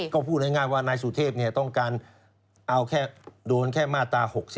เพราะพูดง่ายว่านายสุเทพเนี่ยต้องการเอาแค่โดนแค่มาตรา๖๘